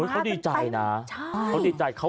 เขาดีใจนะ